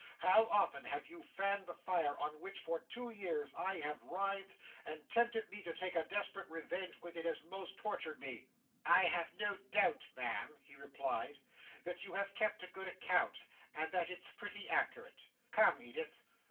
How often have you fanned the fire on which, for two years, I have writhed; and tempted me to take a desperate revenge, when it has most tortured me?" "I have no doubt, Ma'am," he replied, "that you have kept a good account, and that it's pretty accurate. Come, Edith.